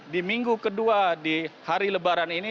di minggu kedua di hari lebaran ini